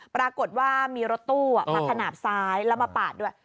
ปรากฏว่ามีรถตู้มาขนาดซ้ายแล้วมาปาดด้วย